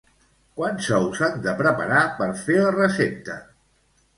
Quants ous s'han de preparar per fer la recepta?